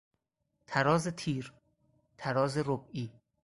تراز تیر، تراز ربعی